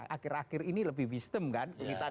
akhir akhir ini lebih wisdom kan